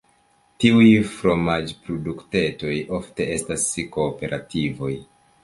Tiuj fromaĝ-produktejoj, ofte estas kooperativoj.